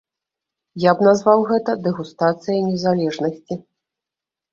Я б назваў гэта дэгустацыяй незалежнасці.